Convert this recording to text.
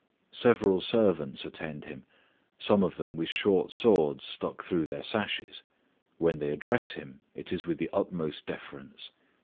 Several servants attend him, some of them with short swords stuck through their sashes; when they address him, it is with the utmost deference.